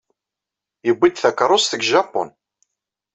Yuwey-d takeṛṛust seg Japun.